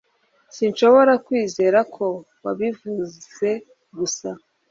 Sinshobora kwizera ko wabivuze gusa